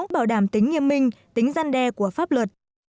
bảo đảm tính nghiêm minh tính gian đe của pháp luật